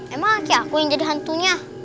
emang aku yang jadi hantunya